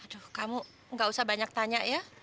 aduh kamu gak usah banyak tanya ya